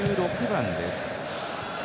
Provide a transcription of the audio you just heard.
１６番です。